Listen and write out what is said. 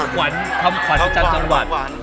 คำขวัญคำขวัญท่านจังหวัด